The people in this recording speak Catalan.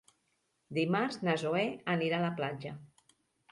Dimarts na Zoè anirà a la platja.